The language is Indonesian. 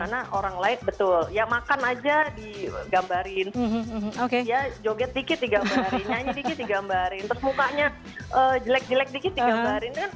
karena orang lain betul ya makan aja digambarin ya joget dikit digambarin nyanyi dikit digambarin terus mukanya jelek jelek dikit digambarin